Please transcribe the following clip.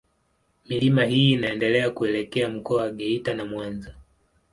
Milima hii inaendelea kuelekea Mkoa wa Geita na Mwanza.